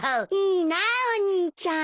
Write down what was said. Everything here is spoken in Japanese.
いいなあお兄ちゃん。